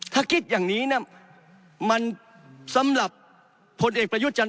ถ้าคิดอย่างนี้นะมันสำหรับพลเอกประยุจรรโอชา